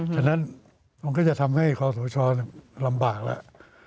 ฉะนั้นมันก็จะทำให้คอสชลำบากแล้ว